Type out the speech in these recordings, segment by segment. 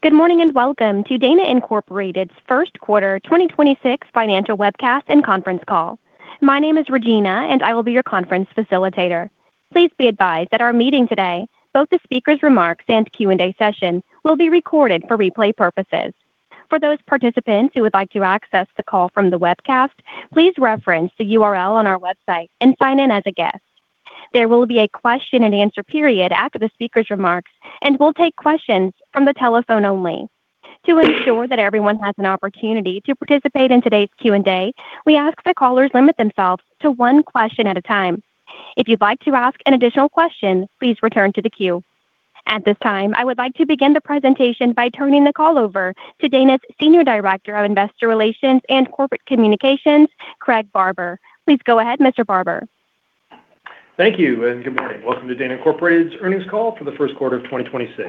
Good morning, and welcome to Dana Incorporated's first quarter 2026 financial webcast and conference call. My name is Regina, and I will be your conference facilitator. Please be advised that our meeting today, both the speaker's remarks and Q&A session, will be recorded for replay purposes. For those participants who would like to access the call from the webcast, please reference the URL on our website and sign in as a guest. There will be a question and answer period after the speaker's remarks, and we'll take questions from the telephone only. To ensure that everyone has an opportunity to participate in today's Q&A, we ask that callers limit themselves to one question at a time. If you'd like to ask an additional question, please return to the queue. At this time, I would like to begin the presentation by turning the call over to Dana's Senior Director of Investor Relations and Corporate Communications, Craig Barber. Please go ahead, Mr. Barber. Thank you, and good morning. Welcome to Dana Incorporated's earnings call for the first quarter of 2026.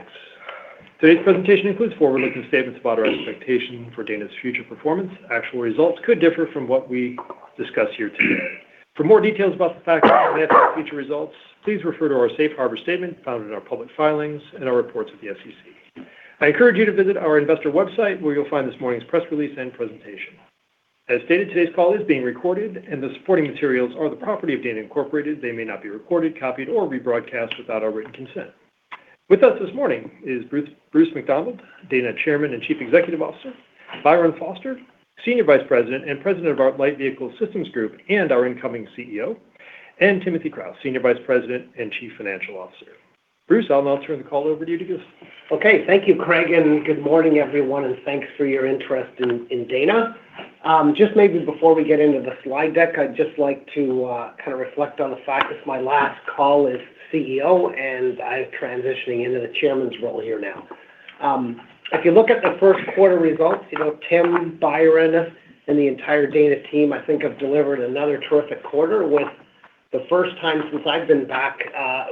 Today's presentation includes forward-looking statements about our expectation for Dana's future performance. Actual results could differ from what we discuss here today. For more details about the factors that may affect future results, please refer to our safe harbor statement found in our public filings and our reports with the SEC. I encourage you to visit our investor website, where you'll find this morning's press release and presentation. As stated, today's call is being recorded, and the supporting materials are the property of Dana Incorporated. They may not be recorded, copied, or rebroadcast without our written consent. With us this morning is R. Bruce McDonald, Dana Chairman and Chief Executive Officer; Byron Foster, Senior Vice President and President of our Light Vehicle Drive Systems, and our incoming CEO; and Timothy Kraus, Senior Vice President and Chief Financial Officer. Bruce, I'll now turn the call over to you to give us- Okay. Thank you, Craig, and good morning, everyone, and thanks for your interest in Dana. Just maybe before we get into the slide deck, I'd just like to kind of reflect on the fact this is my last call as CEO, and I'm transitioning into the Chairman's role here now. If you look at the first quarter results, you know, Tim, Byron, and the entire Dana team I think have delivered another terrific quarter with the first time since I've been back,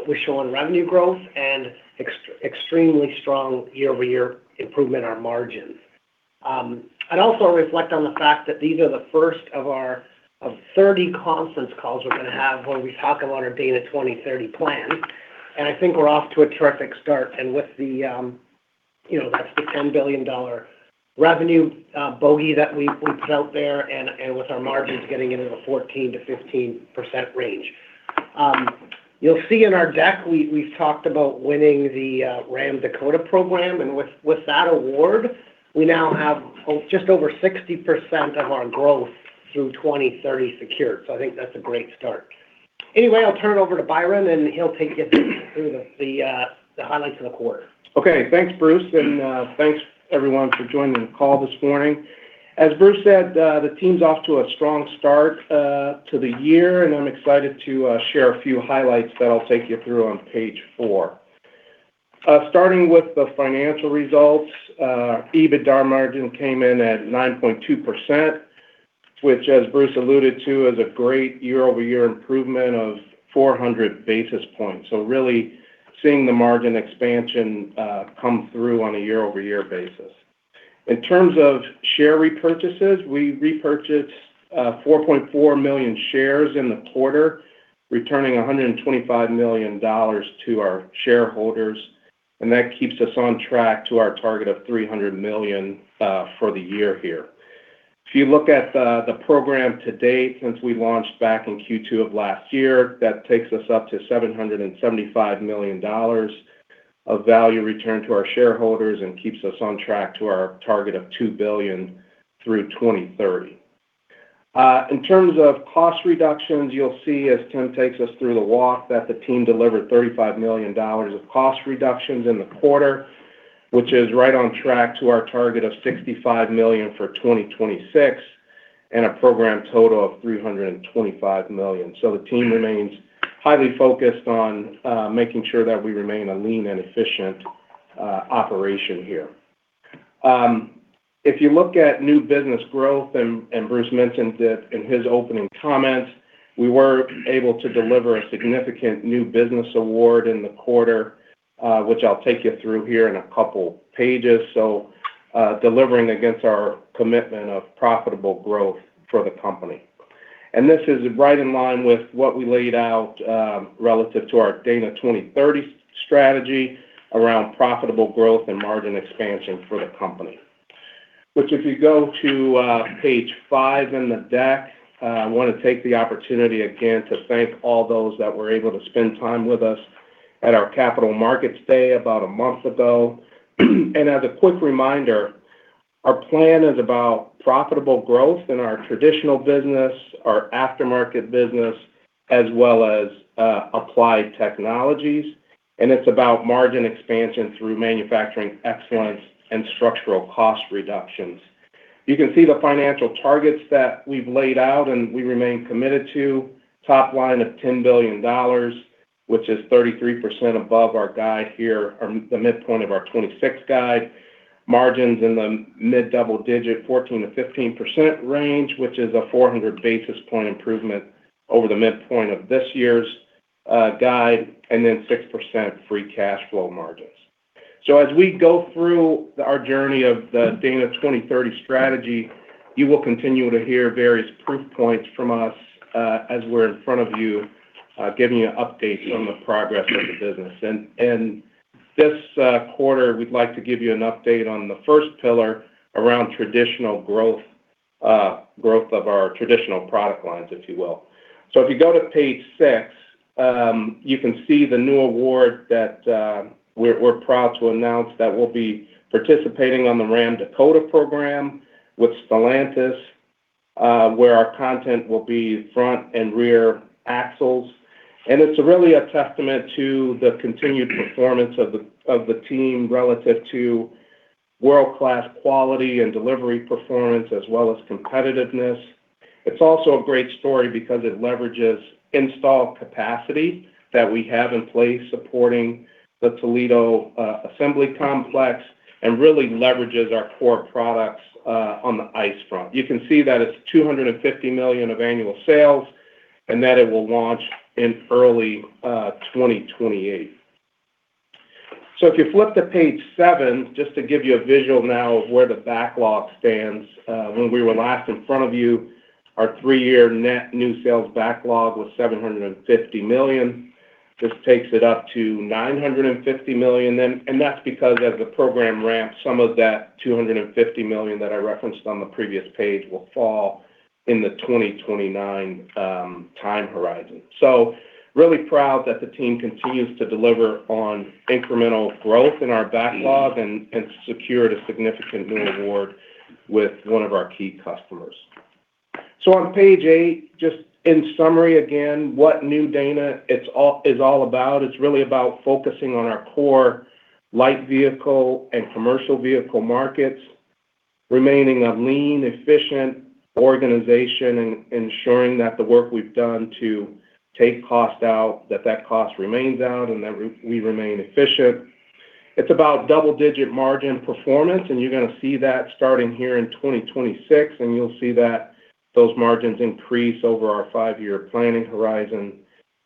we're showing revenue growth and extremely strong year-over-year improvement on margins. I'd also reflect on the fact that these are the first of our, of 30 conference calls we're gonna have where we talk about our Dana 2030 plan, and I think we're off to a terrific start and with the, you know, that's the $10 billion revenue bogey that we put out there and with our margins getting into the 14%-15% range. You'll see in our deck, we've talked about winning the Ram Dakota program, and with that award, we now have just over 60% of our growth through 2030 secured. I think that's a great start. I'll turn it over to Byron, and he'll take you through the highlights of the quarter. Okay. Thanks, Bruce. Thanks, everyone, for joining the call this morning. As Bruce said, the team's off to a strong start to the year, and I'm excited to share a few highlights that I'll take you through on page four. Starting with the financial results, EBITDA margin came in at 9.2%, which, as Bruce alluded to, is a great year-over-year improvement of 400 basis points. Really seeing the margin expansion come through on a year-over-year basis. In terms of share repurchases, we repurchased 4.4 million shares in the quarter, returning $125 million to our shareholders, and that keeps us on track to our target of $300 million for the year here. If you look at the program to date since we launched back in Q2 of last year, that takes us up to $775 million of value returned to our shareholders and keeps us on track to our target of $2 billion through 2030. In terms of cost reductions, you'll see as Tim takes us through the walk that the team delivered $35 million of cost reductions in the quarter, which is right on track to our target of $65 million for 2026 and a program total of $325 million. The team remains highly focused on making sure that we remain a lean and efficient operation here. If you look at new business growth, Bruce mentioned it in his opening comments, we were able to deliver a significant new business award in the quarter, which I'll take you through here in a couple pages. Delivering against our commitment of profitable growth for the company. This is right in line with what we laid out relative to our Dana 2030 strategy around profitable growth and margin expansion for the company. Which if you go to page five in the deck, I want to take the opportunity again to thank all those that were able to spend time with us at our Capital Markets Day about a month ago. As a quick reminder, our plan is about profitable growth in our traditional business, our aftermarket business, as well as applied technologies, and it's about margin expansion through manufacturing excellence and structural cost reductions. You can see the financial targets that we've laid out and we remain committed to. Top line of $10 billion, which is 33% above our guide here or the midpoint of our 2026 guide. Margins in the mid-double-digit, 14%-15% range, which is a 400 basis point improvement over the midpoint of this year's guide, and then 6% free cash flow margins. As we go through our journey of the Dana 2030 strategy, you will continue to hear various proof points from us as we're in front of you to give you an update on the progress of the business. This quarter, we'd like to give you an update on the first pillar around traditional growth of our traditional product lines, if you will. If you go to page six, you can see the new award that we're proud to announce that we'll be participating on the Ram Dakota program with Stellantis, where our content will be front and rear axles. It's really a testament to the continued performance of the team relative to world-class quality and delivery performance, as well as competitiveness. It's also a great story because it leverages installed capacity that we have in place supporting the Toledo Assembly Complex and really leverages our core products on the ICE front. You can see that it's $250 million of annual sales and that it will launch in early 2028. If you flip to page seven, just to give you a visual now of where the backlog stands. When we were last in front of you, our three-year net new sales backlog was $750 million. This takes it up to $950 million then, and that's because as the program ramps, some of that $250 million that I referenced on the previous page will fall in the 2029 time horizon. Really proud that the team continues to deliver on incremental growth in our backlog and secured a significant new award with one of our key customers. On page eight, just in summary again, what new Dana is all about. It's really about focusing on our core light vehicle and commercial vehicle markets, remaining a lean, efficient organization and ensuring that the work we've done to take cost out, that that cost remains out and that we remain efficient. You're going to see that starting here in 2026, and you'll see that those margins increase over our five-year planning horizon.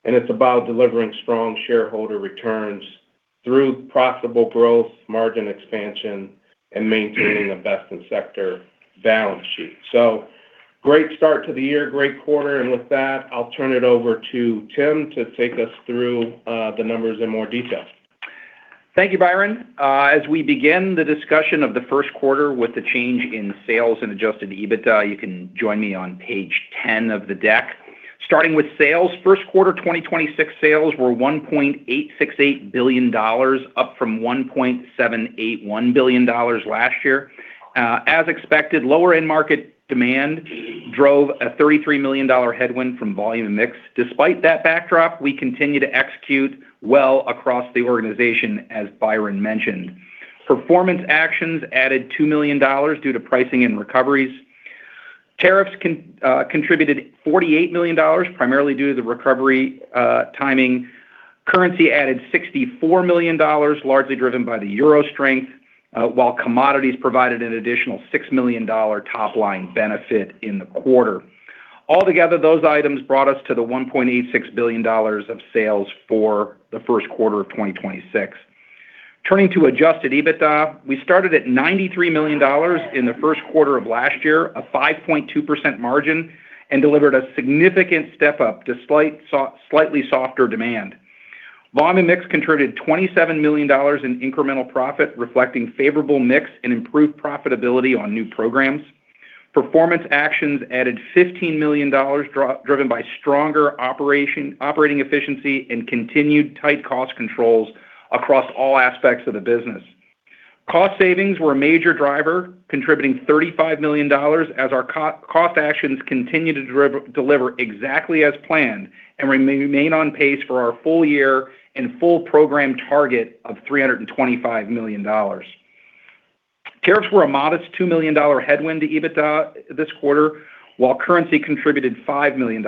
It's about delivering strong shareholder returns through profitable growth, margin expansion, and maintaining a best-in-sector balance sheet. Great start to the year, great quarter, and with that, I'll turn it over to Tim to take us through the numbers in more detail. Thank you, Byron. As we begin the discussion of the first quarter with the change in sales and adjusted EBITDA, you can join me on page 10 of the deck. Starting with sales, first quarter 2026 sales were $1.868 billion, up from $1.781 billion last year. As expected, lower end market demand drove a $33 million headwind from volume mix. Despite that backdrop, we continue to execute well across the organization, as Byron mentioned. Performance actions added $2 million due to pricing and recoveries. Tariffs contributed $48 million, primarily due to the recovery timing. Currency added $64 million, largely driven by the euro strength, while commodities provided an additional $6 million top-line benefit in the quarter. Altogether, those items brought us to the $1.86 billion of sales for the first quarter of 2026. Turning to adjusted EBITDA, we started at $93 million in the first quarter of last year, a 5.2% margin, delivered a significant step-up to slightly softer demand. Volume mix contributed $27 million in incremental profit, reflecting favorable mix and improved profitability on new programs. Performance actions added $15 million, driven by stronger operating efficiency and continued tight cost controls across all aspects of the business. Cost savings were a major driver, contributing $35 million as our cost actions continue to deliver exactly as planned and remain on pace for our full year and full program target of $325 million. Tariffs were a modest $2 million headwind to EBITDA this quarter, while currency contributed $5 million.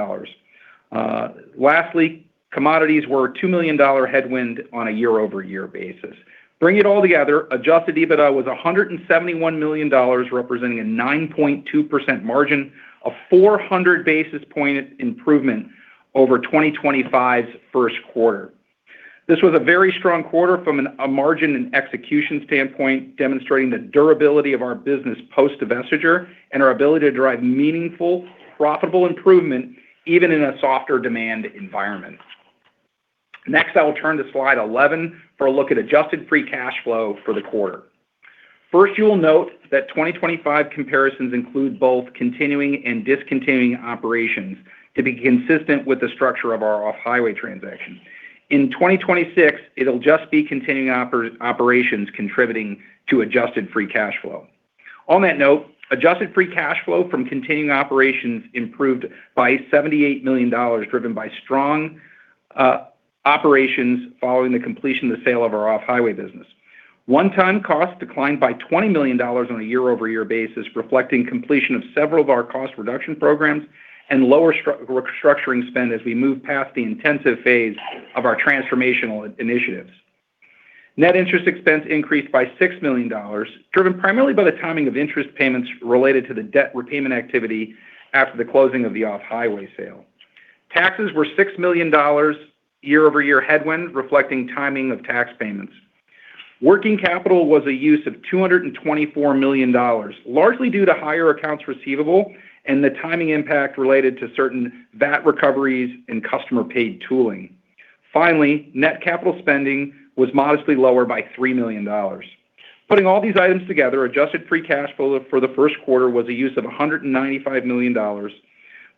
Commodities were a $2 million headwind on a year-over-year basis. Bring it all together, adjusted EBITDA was $171 million, representing a 9.2% margin, a 400 basis point improvement over 2025's first quarter. This was a very strong quarter from a margin and execution standpoint, demonstrating the durability of our business post-divestiture and our ability to drive meaningful, profitable improvement even in a softer demand environment. I will turn to slide 11 for a look at adjusted free cash flow for the quarter. First, you will note that 2025 comparisons include both continuing and discontinued operations to be consistent with the structure of our off-highway transaction. In 2026, it'll just be continuing operations contributing to adjusted free cash flow. On that note, adjusted free cash flow from continuing operations improved by $78 million, driven by strong operations following the completion of the sale of our off-highway business. One-time costs declined by $20 million on a year-over-year basis, reflecting completion of several of our cost reduction programs and lower restructuring spend as we move past the intensive phase of our transformational initiatives. Net interest expense increased by $6 million, driven primarily by the timing of interest payments related to the debt repayment activity after the closing of the off-highway sale. Taxes were $6 million year-over-year headwind, reflecting timing of tax payments. Working capital was a use of $224 million, largely due to higher accounts receivable and the timing impact related to certain VAT recoveries and customer paid tooling. Net capital spending was modestly lower by $3 million. Putting all these items together, adjusted free cash flow for the first quarter was a use of $195 million,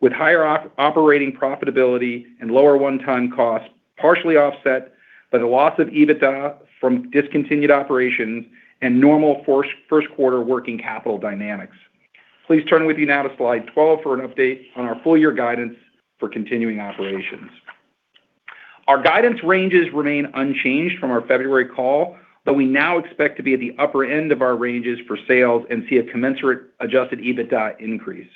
with higher operating profitability and lower one-time costs, partially offset by the loss of EBITDA from discontinued operations and normal first quarter working capital dynamics. Please turn with you now to slide 12 for an update on our full year guidance for continuing operations. Our guidance ranges remain unchanged from our February call, we now expect to be at the upper end of our ranges for sales and see a commensurate adjusted EBITDA increase.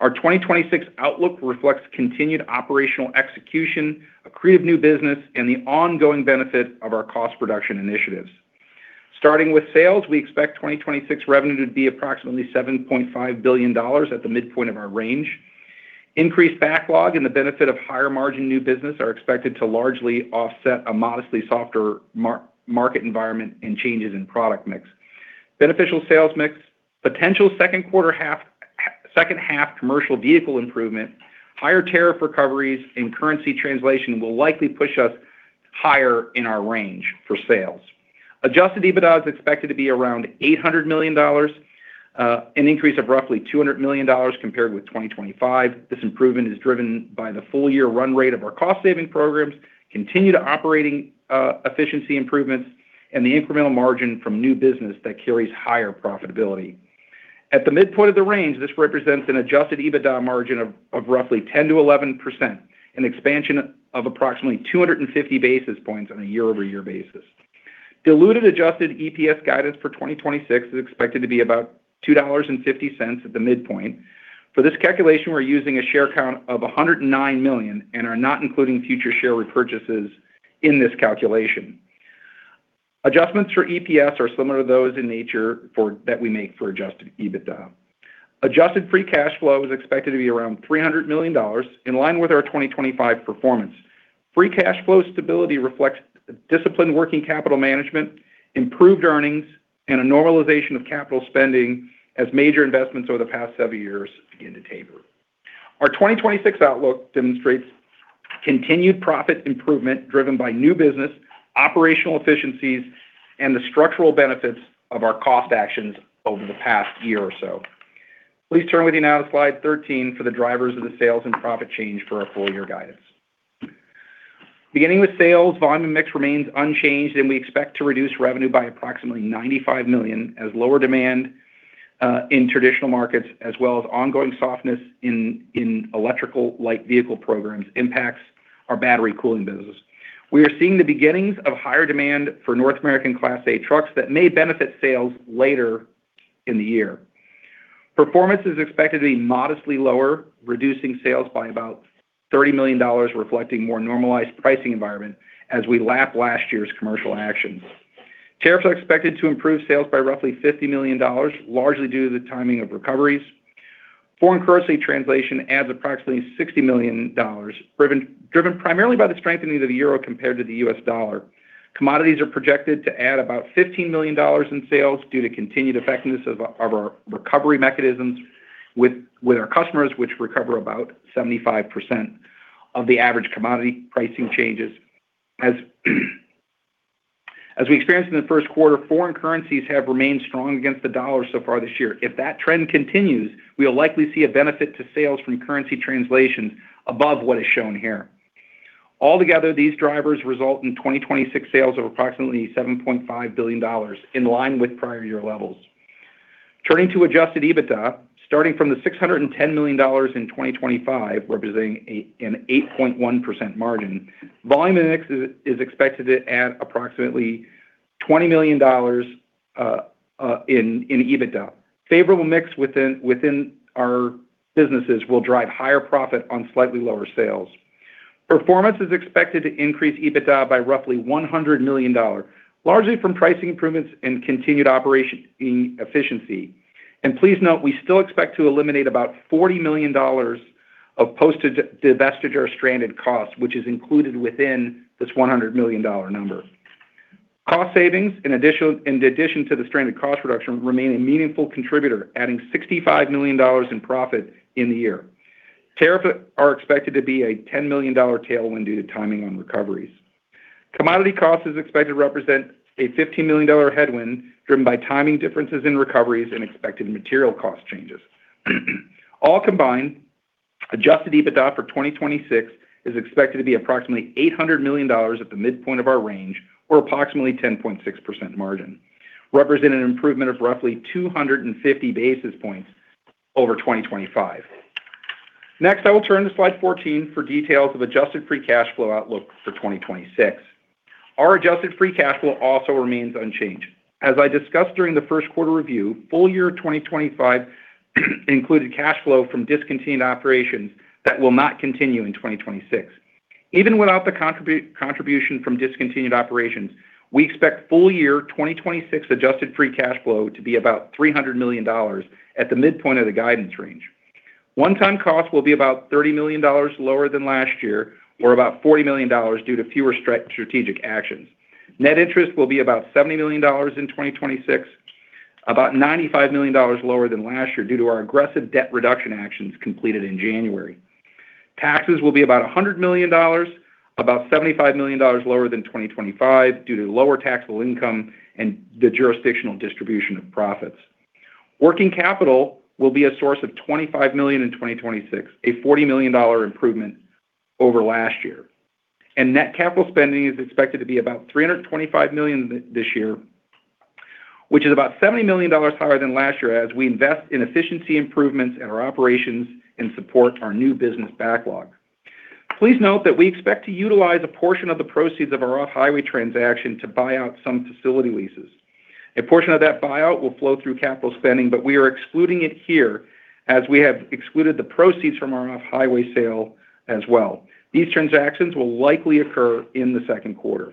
Our 2026 outlook reflects continued operational execution, accretive new business, and the ongoing benefit of our cost reduction initiatives. Starting with sales, we expect 2026 revenue to be approximately $7.5 billion at the midpoint of our range. Increased backlog and the benefit of higher margin new business are expected to largely offset a modestly softer market environment and changes in product mix. Beneficial sales mix, potential second half commercial vehicle improvement, higher tariff recoveries, and currency translation will likely push us higher in our range for sales. Adjusted EBITDA is expected to be around $800 million, an increase of roughly $200 million compared with 2025. This improvement is driven by the full year run rate of our cost-saving programs, continued operating efficiency improvements, and the incremental margin from new business that carries higher profitability. At the midpoint of the range, this represents an adjusted EBITDA margin of roughly 10%-11%, an expansion of approximately 250 basis points on a year-over-year basis. Diluted adjusted EPS guidance for 2026 is expected to be about $2.50 at the midpoint. For this calculation, we're using a share count of 109 million and are not including future share repurchases in this calculation. Adjustments for EPS are similar to those in nature that we make for adjusted EBITDA. Adjusted free cash flow is expected to be around $300 million in line with our 2025 performance. Free cash flow stability reflects disciplined working capital management, improved earnings, and a normalization of capital spending as major investments over the past several years begin to taper. Our 2026 outlook demonstrates continued profit improvement driven by new business, operational efficiencies, and the structural benefits of our cost actions over the past year or so. Please turn with me now to slide 13 for the drivers of the sales and profit change for our full year guidance. Beginning with sales, volume mix remains unchanged, and we expect to reduce revenue by approximately $95 million as lower demand in traditional markets, as well as ongoing softness in electrical light vehicle programs impacts our battery cooling business. We are seeing the beginnings of higher demand for North American Class 8 trucks that may benefit sales later in the year. Performance is expected to be modestly lower, reducing sales by about $30 million, reflecting more normalized pricing environment as we lap last year's commercial actions. Tariffs are expected to improve sales by roughly $50 million, largely due to the timing of recoveries. Foreign currency translation adds approximately $60 million, driven primarily by the strengthening of the euro compared to the U.S. dollar. Commodities are projected to add about $15 million in sales due to continued effectiveness of our recovery mechanisms with our customers, which recover about 75% of the average commodity pricing changes. As we experienced in the first quarter, foreign currencies have remained strong against the U.S. dollar so far this year. If that trend continues, we will likely see a benefit to sales from currency translation above what is shown here. Altogether, these drivers result in 2026 sales of approximately $7.5 billion in line with prior year levels. Turning to adjusted EBITDA, starting from the $610 million in 2025, representing an 8.1% margin, volume and mix is expected to add approximately $20 million in EBITDA. Favorable mix within our businesses will drive higher profit on slightly lower sales. Performance is expected to increase EBITDA by roughly $100 million, largely from pricing improvements and continued operation efficiency. Please note, we still expect to eliminate about $40 million of post-divestiture or stranded costs, which is included within this $100 million number. Cost savings, in addition to the stranded cost reduction, remain a meaningful contributor, adding $65 million in profit in the year. Tariffs are expected to be a $10 million tailwind due to timing on recoveries. Commodity cost is expected to represent a $15 million headwind driven by timing differences in recoveries and expected material cost changes. All combined, adjusted EBITDA for 2026 is expected to be approximately $800 million at the midpoint of our range or approximately 10.6% margin, represent an improvement of roughly 250 basis points over 2025. Next, I will turn to slide 14 for details of adjusted free cash flow outlook for 2026. Our adjusted free cash flow also remains unchanged. As I discussed during the first quarter review, full year 2025 included cash flow from discontinued operations that will not continue in 2026. Even without the contribution from discontinued operations, we expect full year 2026 adjusted free cash flow to be about $300 million at the midpoint of the guidance range. One-time cost will be about $30 million lower than last year or about $40 million due to fewer strategic actions. Net interest will be about $70 million in 2026, about $95 million lower than last year due to our aggressive debt reduction actions completed in January. Taxes will be about $100 million, about $75 million lower than 2025 due to lower taxable income and the jurisdictional distribution of profits. Working capital will be a source of $25 million in 2026, a $40 million improvement over last year. Net capital spending is expected to be about $325 million this year, which is about $70 million higher than last year as we invest in efficiency improvements in our operations and support our new business backlog. Please note that we expect to utilize a portion of the proceeds of our off-highway transaction to buy out some facility leases. A portion of that buyout will flow through capital spending, but we are excluding it here as we have excluded the proceeds from our off-highway sale as well. These transactions will likely occur in the second quarter.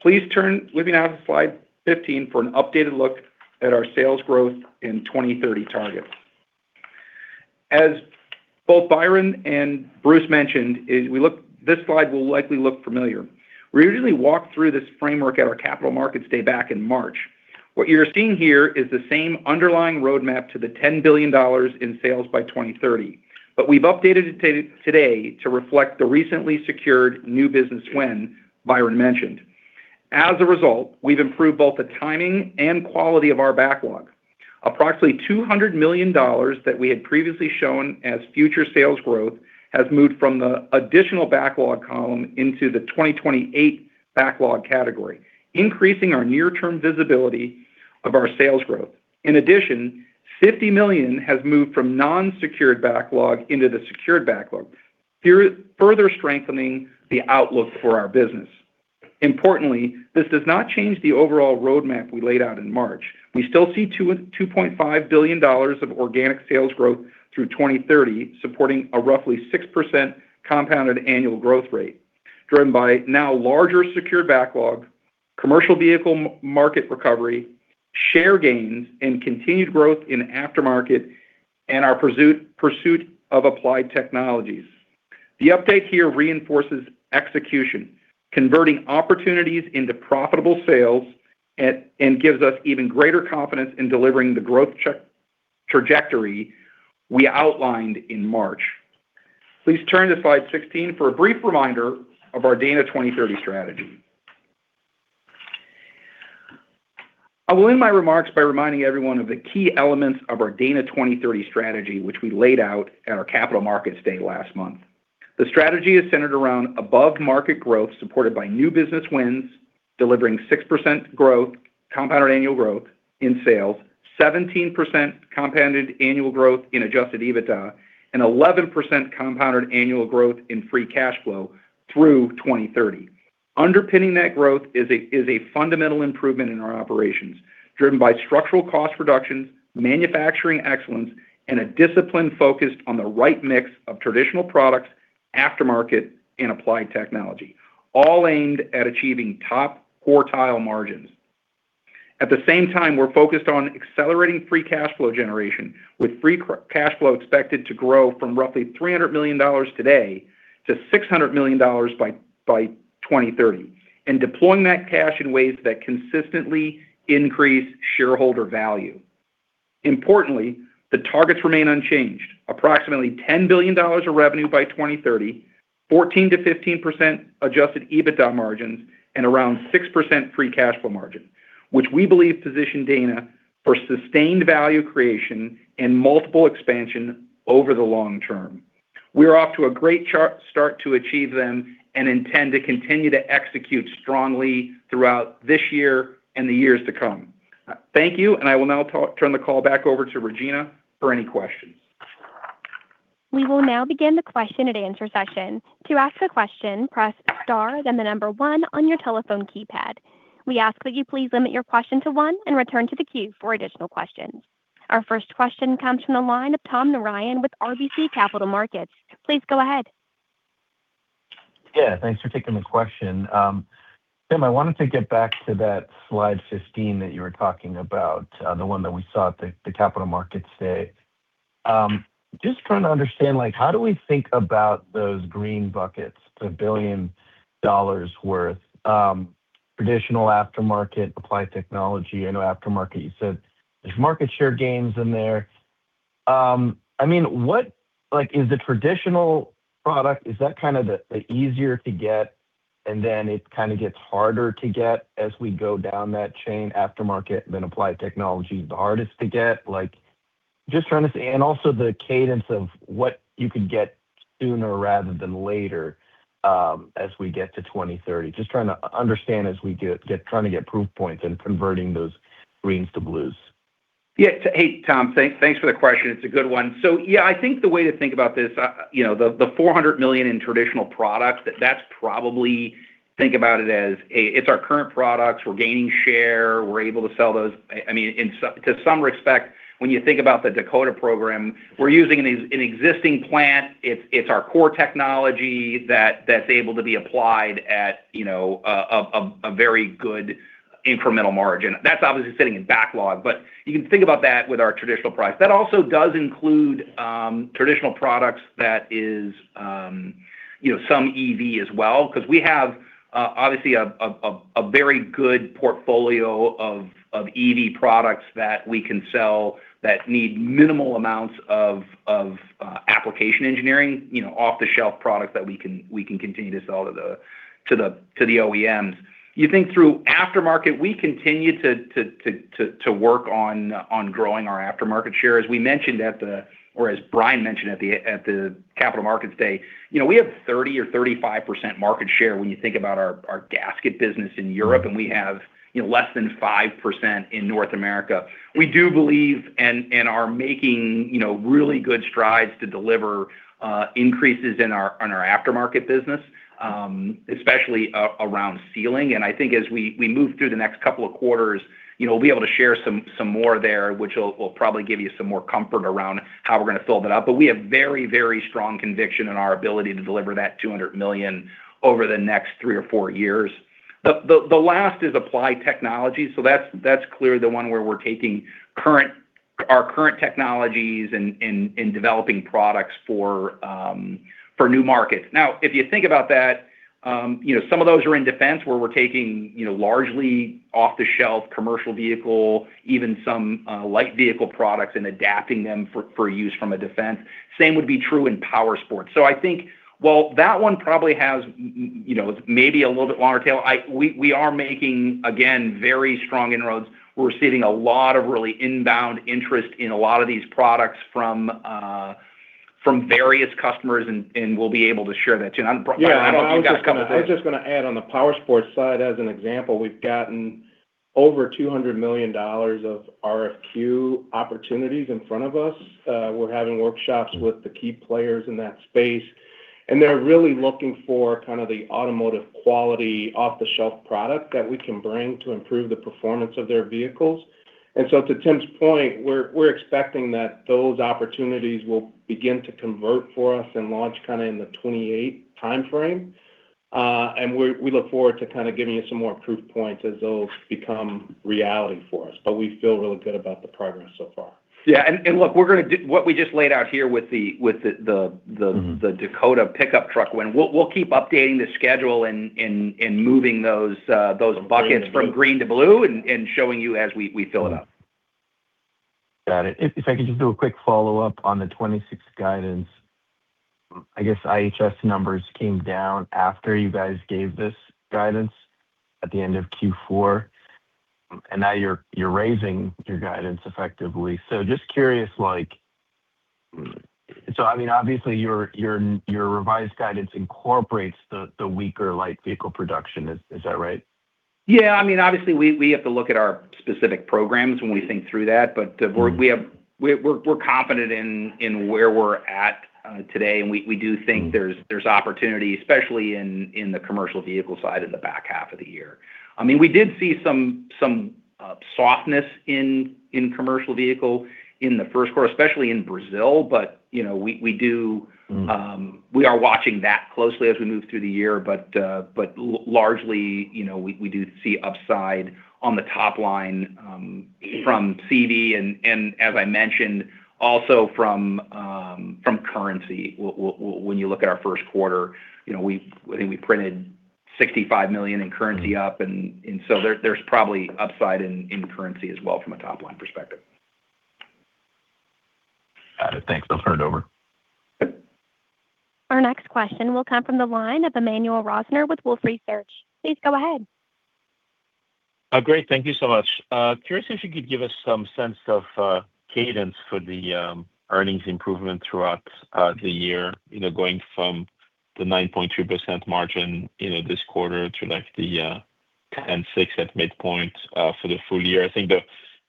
Please turn, looking now to slide 15 for an updated look at our sales growth in 2030 targets. As both Byron and Bruce mentioned, this slide will likely look familiar. We originally walked through this framework at our Capital Markets Day back in March. What you're seeing here is the same underlying roadmap to the $10 billion in sales by 2030. We've updated it today to reflect the recently secured new business win Byron mentioned. As a result, we've improved both the timing and quality of our backlog. Approximately $200 million that we had previously shown as future sales growth has moved from the additional backlog column into the 2028 backlog category, increasing our near-term visibility of our sales growth. In addition, $50 million has moved from non-secured backlog into the secured backlog, further strengthening the outlook for our business. Importantly, this does not change the overall roadmap we laid out in March. We still see $2.5 billion of organic sales growth through 2030, supporting a roughly 6% compounded annual growth rate, driven by now larger secured backlog, commercial vehicle market recovery, share gains and continued growth in aftermarket and our pursuit of applied technologies. The update here reinforces execution, converting opportunities into profitable sales and gives us even greater confidence in delivering the growth trajectory we outlined in March. Please turn to slide 16 for a brief reminder of our Dana 2030 strategy. I will end my remarks by reminding everyone of the key elements of our Dana 2030 strategy, which we laid out at our Capital Markets Day last month. The strategy is centered around above-market growth supported by new business wins, delivering 6% growth, compounded annual growth in sales, 17% compounded annual growth in adjusted EBITDA, and 11% compounded annual growth in free cash flow through 2030. Underpinning that growth is a fundamental improvement in our operations, driven by structural cost reductions, manufacturing excellence, and a discipline focused on the right mix of traditional products, aftermarket and applied technology, all aimed at achieving top quartile margins. At the same time, we're focused on accelerating free cash flow generation, with free cash flow expected to grow from roughly $300 million today to $600 million by 2030, and deploying that cash in ways that consistently increase shareholder value. Importantly, the targets remain unchanged. Approximately $10 billion of revenue by 2030, 14%-15% adjusted EBITDA margins, and around 6% free cash flow margin, which we believe position Dana for sustained value creation and multiple expansion over the long term. We are off to a great start to achieve them and intend to continue to execute strongly throughout this year and the years to come. Thank you, and I will now turn the call back over to Regina for any questions. We will now begin the question and answer session. To ask a question, press star then the number one on your telephone keypad. We ask that you please limit your question to one and return to the queue for additional questions. Our first question comes from the line of Gautam Narayan with RBC Capital Markets. Please go ahead. Yeah, thanks for taking the question. Tim, I wanted to get back to that slide 15 that you were talking about, the one that we saw at the Capital Markets Day. Just trying to understand, like, how do we think about those green buckets, the $1 billion worth, traditional aftermarket, applied technology? I know aftermarket, you said there's market share gains in there. I mean, like, is the traditional product, is that kind of the easier to get, and then it kind of gets harder to get as we go down that chain, aftermarket, then applied technology is the hardest to get? Like, just trying to also the cadence of what you could get sooner rather than later, as we get to 2030. Just trying to understand as we get trying to get proof points in converting those greens to blues. Yeah. Hey, Gautam, thank, thanks for the question. It's a good one. Yeah, I think the way to think about this, you know, the $400 million in traditional products, that's probably, think about it as, it's our current products. We're gaining share. We're able to sell those. I mean, to some respect, when you think about the Dakota program, we're using an existing plant. It's our core technology that's able to be applied at, you know, a very good incremental margin. That's obviously sitting in backlog, but you can think about that with our traditional price. That also does include traditional products that is, you know, some EV as well, because we have obviously a very good portfolio of EV products that we can sell that need minimal amounts of application engineering. You know, off-the-shelf products that we can continue to sell to the OEMs. You think through aftermarket, we continue to work on growing our aftermarket share. As Byron Foster mentioned at the Capital Markets Day, you know, we have 30% or 35% market share when you think about our gasket business in Europe, and we have, you know, less than 5% in North America. We do believe and are making, you know, really good strides to deliver increases in our aftermarket business, especially around sealing. I think as we move through the next couple of quarters, you know, we'll be able to share some more there, which will probably give you some more comfort around how we're gonna fill that up. We have very strong conviction in our ability to deliver that $200 million over the next three or four years. The last is applied technology, that's clearly the one where we're taking our current technologies and developing products for new markets. Now, if you think about that, you know, some of those are in defense where we're taking, you know, largely off-the-shelf commercial vehicle, even some light vehicle products and adapting them for use from a defense. Same would be true in powersports. I think while that one probably has, you know, maybe a little bit longer tail, we are making, again, very strong inroads. We're receiving a lot of really inbound interest in a lot of these products from various customers and we'll be able to share that too. Byron, why don't you guys comment there? I was just gonna add on the powersports side as an example, we've gotten over $200 million of RFQ opportunities in front of us. We're having workshops with the key players in that space, they're really looking for kind of the automotive quality off-the-shelf product that we can bring to improve the performance of their vehicles. To Tim's point, we're expecting that those opportunities will begin to convert for us and launch kind of in the 2028 timeframe. We look forward to kind of giving you some more proof points as those become reality for us, but we feel really good about the progress so far. Yeah. Look, we're gonna what we just laid out here with the, with the. Mm-hmm... the Dakota pickup truck win. We'll keep updating the schedule and moving those buckets from green to blue and showing you as we fill it up. Got it. If I could just do a quick follow-up on the 2026 guidance. I guess IHS numbers came down after you guys gave this guidance at the end of Q4. Now you're raising your guidance effectively. I mean, obviously your revised guidance incorporates the weaker light vehicle production. Is that right? Yeah. I mean, obviously we have to look at our specific programs when we think through that. Mm-hmm... We're confident in where we're at today, and we do think there's opportunity, especially in the commercial vehicle side in the back half of the year. I mean, we did see some softness in commercial vehicle in the first quarter, especially in Brazil. You know, we do. Mm-hmm We are watching that closely as we move through the year. Largely, you know, we do see upside on the top line from CV and as I mentioned, also from currency. When you look at our first quarter, you know, I think we printed $65 million in currency up and there's probably upside in currency as well from a top-line perspective. Got it. Thanks. I'll turn it over. Okay. Our next question will come from the line of Emmanuel Rosner with Wolfe Research. Please go ahead. Great. Thank you so much. Curious if you could give us some sense of cadence for the earnings improvement throughout the year. You know, going from the 9.2% margin, you know, this quarter to like the 10.6% at midpoint for the full year. I think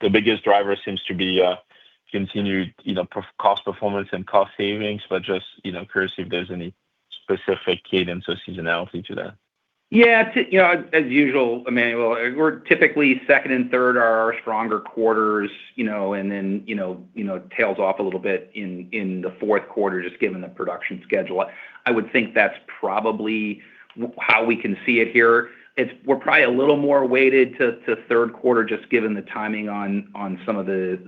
the biggest driver seems to be continued, you know, cost performance and cost savings, but just, you know, curious if there's any specific cadence or seasonality to that. Yeah. To, you know, as usual, Emmanuel, we're typically second and third are our stronger quarters, you know, and then, you know, tails off a little bit in the fourth quarter just given the production schedule. I would think that's probably how we can see it here. We're probably a little more weighted to third quarter just given the timing on some of the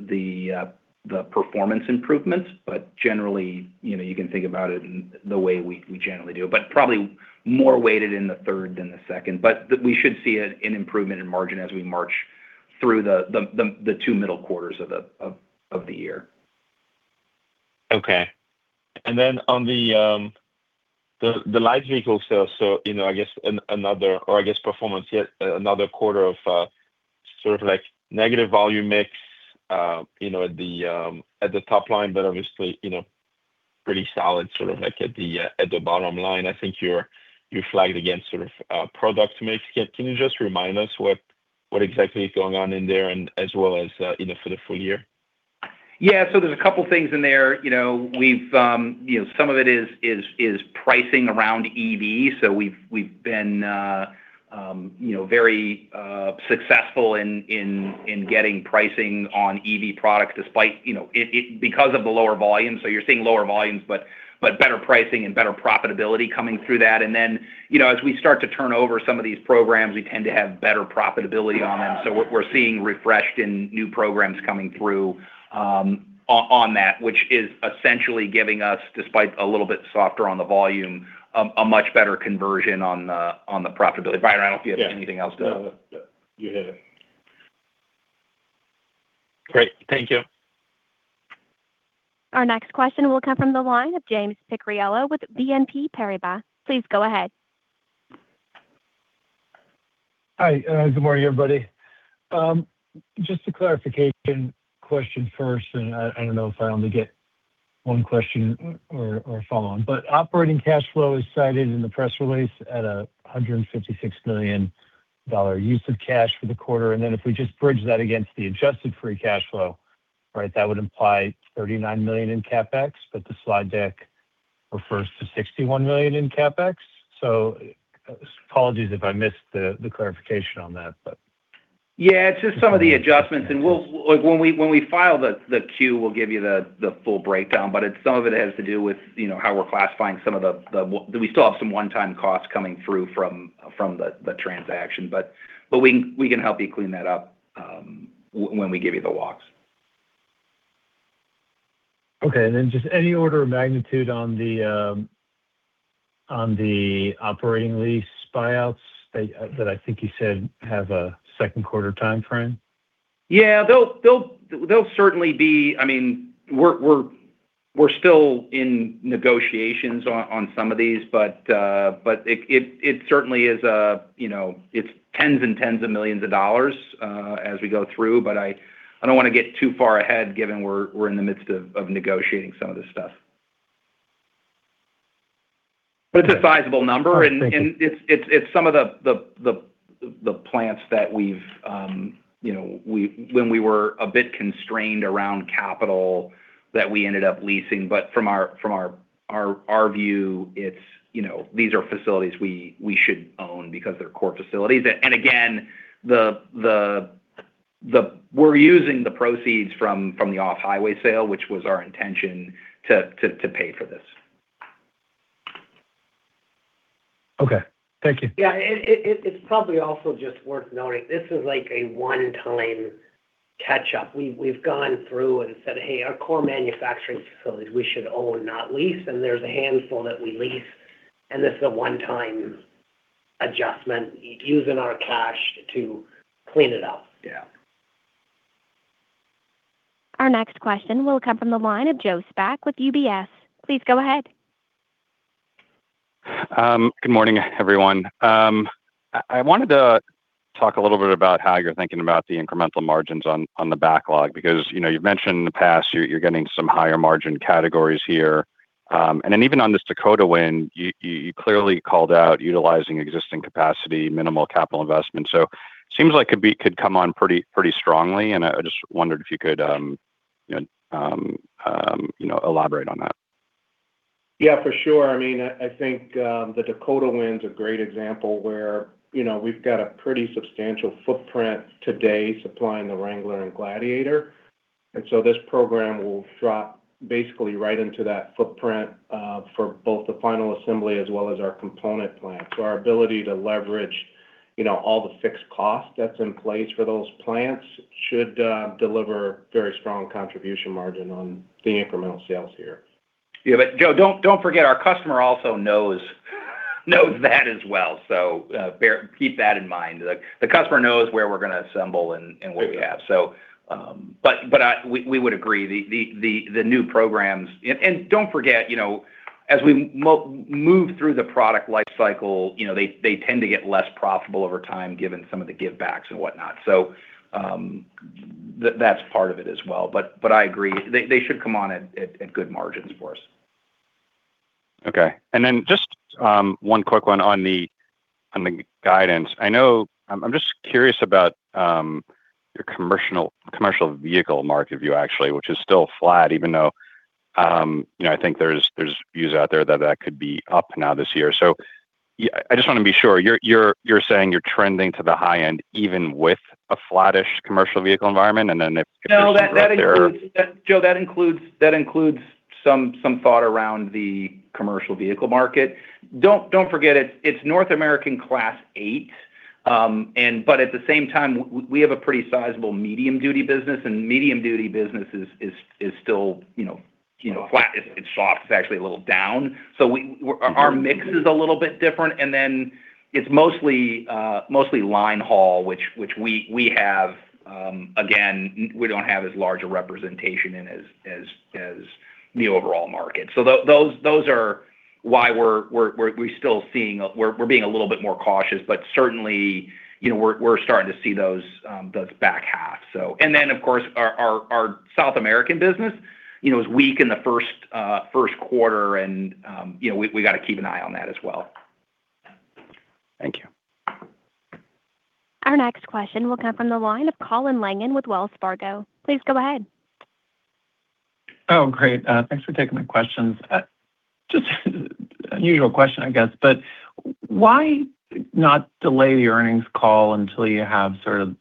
performance improvements. Generally, you know, you can think about it in the way we generally do. Probably more weighted in the third than the second. We should see an improvement in margin as we march through the two middle quarters of the year. Okay. On the light vehicle sales, you know, I guess another or I guess performance, yet another quarter of sort of like negative volume mix, you know, at the, at the top line, but obviously, you know, pretty solid sort of like at the, at the bottom line. I think you're, you flagged again sort of product mix. Can you just remind us what exactly is going on in there and as well as, you know, for the full year? Yeah. There's a couple things in there. We've some of it is pricing around EV. We've been very successful in getting pricing on EV products despite it because of the lower volume. You're seeing lower volumes, but better pricing and better profitability coming through that. As we start to turn over some of these programs, we tend to have better profitability on them. We're seeing refreshed and new programs coming through on that, which is essentially giving us, despite a little bit softer on the volume, a much better conversion on the profitability. Byron, I don't know if you have anything else to- No. No. You hit it. Great. Thank you. Our next question will come from the line of James Picariello with BNP Paribas. Please go ahead. Hi. Good morning, everybody. Just a clarification question first, and I don't know if I only get one question or a follow on. Operating cash flow is cited in the press release at $156 million use of cash for the quarter. If we just bridge that against the adjusted free cash flow, right? That would imply $39 million in CapEx, but the slide deck refers to $61 million in CapEx. Apologies if I missed the clarification on that. Yeah. It's just some of the adjustments. Like, when we file the Q, we'll give you the full breakdown, but it's some of it has to do with, you know, how we're classifying some of the, we still have some one-time costs coming through from the transaction. We can help you clean that up when we give you the walks. Okay. Then just any order of magnitude on the on the operating lease buyouts that that I think you said have a second quarter timeframe? Yeah. They'll certainly be. I mean, we're still in negotiations on some of these, but it certainly is, you know, it's tens and tens of millions of dollars as we go through. I don't wanna get too far ahead given we're in the midst of negotiating some of this stuff. It's a sizable number. Oh, thank you.... and it's some of the plants that we've, you know, when we were a bit constrained around capital that we ended up leasing. From our view, it's, you know, these are facilities we should own because they're core facilities. Again, we're using the proceeds from the off-highway sale, which was our intention to pay for this. Okay. Thank you. Yeah. It's probably also just worth noting, this is like a one-time catch up. We've gone through and said, "Hey, our core manufacturing facilities, we should own, not lease." And there's a handful that we lease, and this is a one-time adjustment using our cash to clean it up. Yeah. Our next question will come from the line of Joe Spak with UBS. Please go ahead. Good morning, everyone. I wanted to talk a little bit about how you're thinking about the incremental margins on the backlog because, you know, you've mentioned in the past you're getting some higher margin categories here. And then even on this Dakota win, you clearly called out utilizing existing capacity, minimal capital investment. Seems like it could come on pretty strongly, and I just wondered if you could, you know, elaborate on that. Yeah, for sure. I mean, I think, the Dakota win's a great example where, you know, we've got a pretty substantial footprint today supplying the Wrangler and Gladiator. This program will drop basically right into that footprint for both the final assembly as well as our component plant. Our ability to leverage, you know, all the fixed cost that's in place for those plants should deliver very strong contribution margin on the incremental sales here. Yeah. Joe, don't forget our customer also knows that as well. Keep that in mind. The customer knows where we're gonna assemble and what we have. Yeah. But I, we would agree, the new programs. And don't forget, you know, as we move through the product life cycle, you know, they tend to get less profitable over time given some of the give backs and whatnot. That's part of it as well, but I agree. They should come on at good margins for us. Okay. Just one quick one on the guidance. I'm just curious about your commercial vehicle market view actually, which is still flat even though, you know, I think there's views out there that that could be up now this year. I just wanna be sure. You're saying you're trending to the high end even with a flattish commercial vehicle environment? If there's some risk there. No, that includes, Joe, that includes some thought around the commercial vehicle market. Don't forget, it's North American Class 8. But at the same time, we have a pretty sizable medium duty business, and medium duty business is still, you know, flat. It's soft. It's actually a little down. Our mix is a little bit different, it's mostly line haul, which we have, again, we don't have as large a representation in as the overall market. Those, those are why we're we still seeing. We're being a little bit more cautious. Certainly, we're starting to see those back half. Of course, our South American business, you know, is weak in the first quarter and, you know, we gotta keep an eye on that as well. Thank you. Our next question will come from the line of Colin Langan with Wells Fargo. Please go ahead. Great. Thanks for taking my questions. Just unusual question, I guess, why not delay the earnings call until you have sort of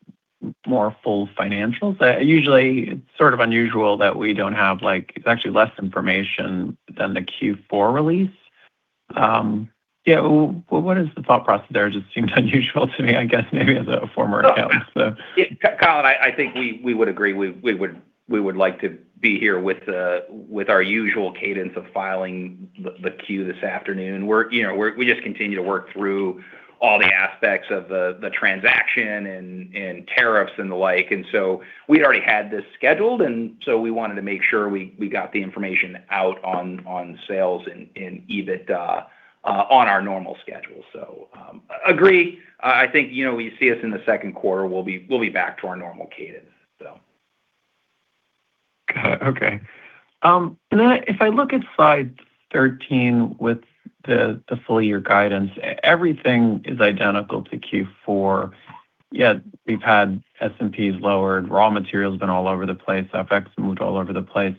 more full financials? Usually it's sort of unusual that we don't have, like, it's actually less information than the Q4 release. Yeah, what is the thought process there? It just seems unusual to me, I guess maybe as a former accountant, so. Yeah, Colin, I think we would agree. We would like to be here with our usual cadence of filing the Q this afternoon. We're, you know, we just continue to work through all the aspects of the transaction and tariffs and the like. We'd already had this scheduled, so we wanted to make sure we got the information out on sales and EBIT on our normal schedule. Agree. I think, you know, when you see us in the second quarter, we'll be back to our normal cadence. Got it. Okay. If I look at slide 13 with the full year guidance, everything is identical to Q4, yet we've had SAARs lowered, raw materials been all over the place, FX moved all over the place.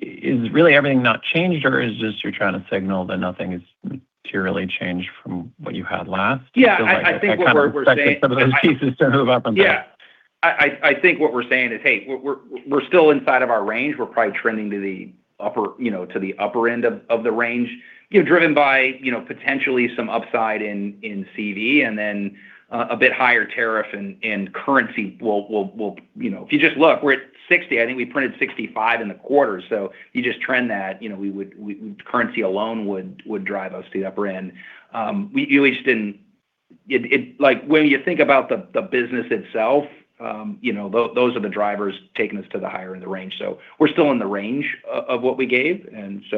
Is really everything not changed, or is just you're trying to signal that nothing has materially changed from what you had last? Yeah, I think. I feel like I kind of expected some of those pieces to move up and. I think what we're saying is, hey, we're still inside of our range. We're probably trending to the upper, you know, to the upper end of the range, you know, driven by, you know, potentially some upside in CV and then a bit higher tariff and currency will. If you just look, we're at 60. I think we printed 65 in the quarter. You just trend that, you know, currency alone would drive us to the upper end. Like when you think about the business itself, you know, those are the drivers taking us to the higher end of the range. We're still in the range of what we gave,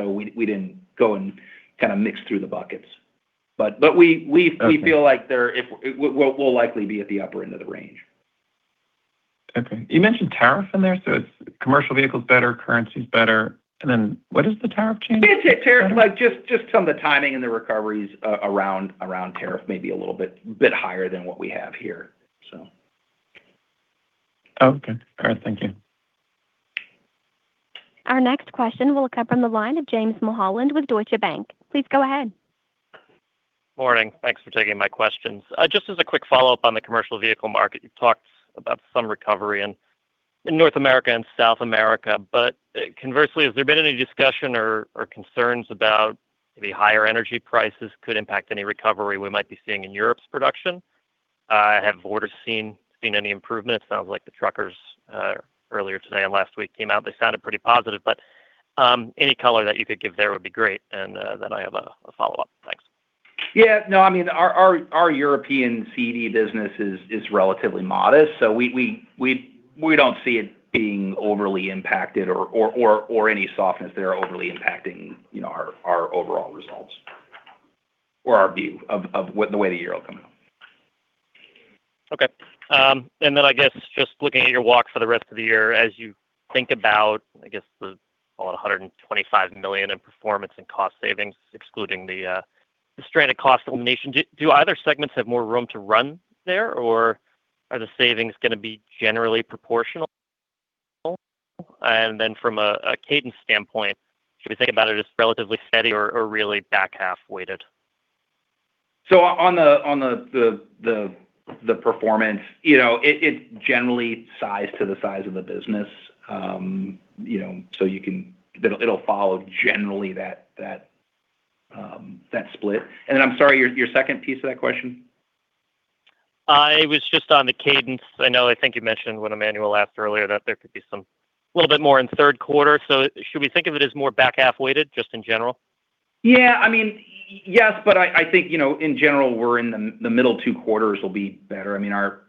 we didn't go and kind of mix through the buckets. Okay... we feel like there, we'll likely be at the upper end of the range. Okay. You mentioned tariff in there, so it's commercial vehicles better, currency's better, and then what does the tariff change? Yeah, tariff, like just some of the timing and the recoveries around tariff may be a little bit higher than what we have here. Okay. All right. Thank you. Our next question will come from the line of James Mulholland with Deutsche Bank. Please go ahead. Morning. Thanks for taking my questions. Just as a quick follow-up on the commercial vehicle market, you talked about some recovery in North America and South America. Conversely, has there been any discussion or concerns about maybe higher energy prices could impact any recovery we might be seeing in Europe's production? Have orders seen any improvement? It sounds like the truckers earlier today and last week came out, they sounded pretty positive, but any color that you could give there would be great. Then I have a follow-up. Thanks. Yeah, no, I mean, our European CV business is relatively modest. We don't see it being overly impacted or any softness there overly impacting, you know, our overall results or our view of what and the way the year will come out. Okay. I guess just looking at your walk for the rest of the year, as you think about, I guess the, call it $125 million in performance and cost savings, excluding the stranded cost elimination, do either segments have more room to run there, or are the savings gonna be generally proportional? From a cadence standpoint, should we think about it as relatively steady or really back half weighted? On the performance, you know, it generally sized to the size of the business. You know, it'll follow generally that split. Then I'm sorry, your second piece of that question? It was just on the cadence. I know, I think you mentioned when Emmanuel asked earlier that there could be a little bit more in third quarter. Should we think of it as more back half weighted just in general? I mean, yes, I think, you know, in general, we're in the middle two quarters will be better. I mean, our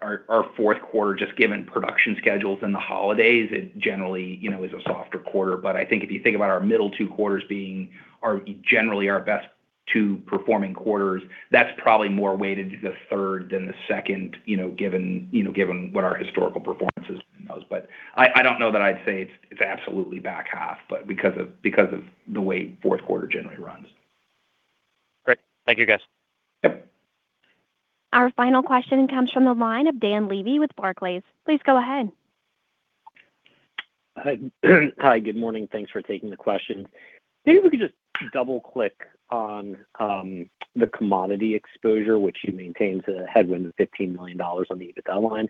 fourth quarter just given production schedules and the holidays, it generally, you know, is a softer quarter. I think if you think about our middle two quarters being our, generally our best two performing quarters, that's probably more weighted to the third than the second, you know, given what our historical performance has been in those. I don't know that I'd say it's absolutely back half, but because of the way fourth quarter generally runs. Great. Thank you, guys. Yep. Our final question comes from the line of Dan Levy with Barclays. Please go ahead. Hi, good morning. Thanks for taking the question. Maybe we could just double-click on the commodity exposure, which you maintain is a headwind of $15 million on the EBITDA line.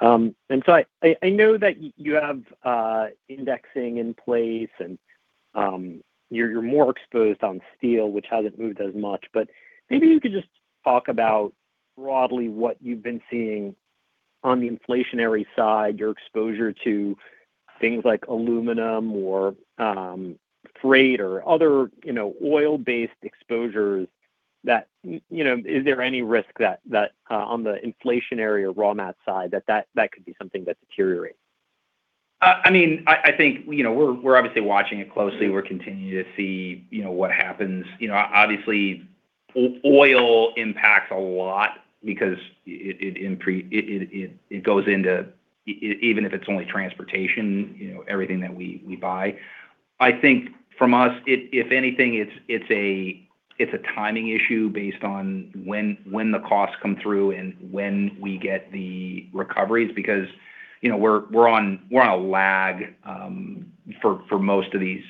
I, I know that you have indexing in place and you're more exposed on steel, which hasn't moved as much. Maybe you could just talk about broadly what you've been seeing on the inflationary side, your exposure to things like aluminum or freight or other, you know, oil-based exposures that, you know, is there any risk that on the inflationary or raw mat side that could be something that deteriorates? I mean, I think, you know, we're obviously watching it closely. We're continuing to see, you know, what happens. You know, obviously oil impacts a lot because it goes into even if it's only transportation, you know, everything that we buy. I think from us, if anything, it's a timing issue based on when the costs come through and when we get the recoveries, because, you know, we're on a lag for most of these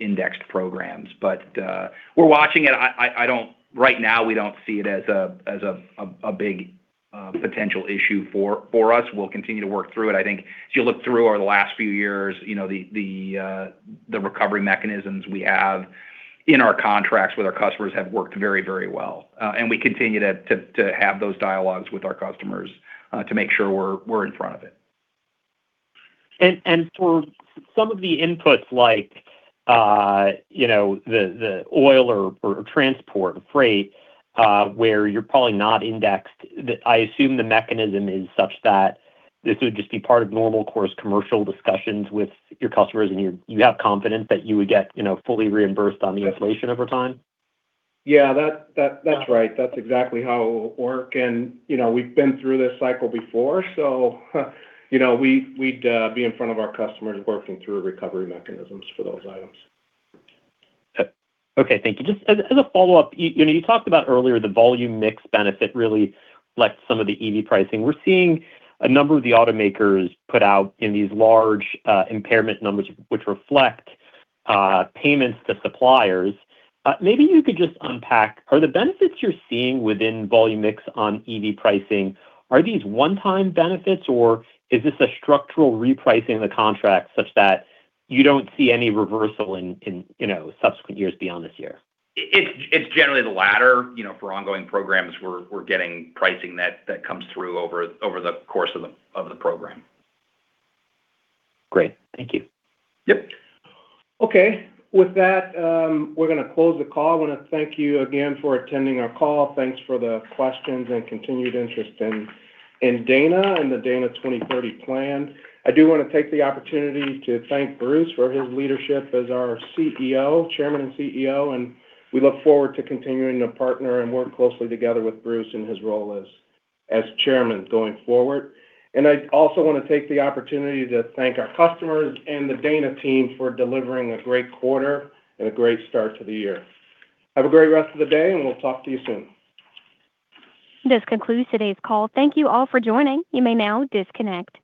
indexed programs. We're watching it. I don't. Right now, we don't see it as a big potential issue for us. We'll continue to work through it. I think if you look through over the last few years, you know, the recovery mechanisms we have in our contracts with our customers have worked very, very well. We continue to have those dialogues with our customers to make sure we're in front of it. For some of the inputs like, you know, the oil or transport or freight, where you're probably not indexed, I assume the mechanism is such that this would just be part of normal course commercial discussions with your customers, and you have confidence that you would get, you know, fully reimbursed on the inflation over time? Yeah. That's right. That's exactly how it will work. You know, we've been through this cycle before, so, you know, we'd be in front of our customers working through recovery mechanisms for those items. Okay. Thank you. Just as a follow-up, you know, you talked about earlier the volume mix benefit really left some of the EV pricing. We're seeing a number of the automakers put out in these large impairment numbers, which reflect payments to suppliers. Maybe you could just unpack, are the benefits you're seeing within volume mix on EV pricing, are these one-time benefits, or is this a structural repricing of the contract such that you don't see any reversal in, you know, subsequent years beyond this year? It's generally the latter. You know, for ongoing programs, we're getting pricing that comes through over the course of the program. Great. Thank you. Yep. Okay. With that, we're gonna close the call. I wanna thank you again for attending our call. Thanks for the questions and continued interest in Dana and the Dana 2030 plan. I do wanna take the opportunity to thank R. Bruce McDonald for his leadership as our CEO, Chairman and CEO, and we look forward to continuing to partner and work closely together with R. Bruce McDonald in his role as Chairman going forward. I also wanna take the opportunity to thank our customers and the Dana team for delivering a great quarter and a great start to the year. Have a great rest of the day, and we'll talk to you soon. This concludes today's call. Thank you all for joining. You may now disconnect.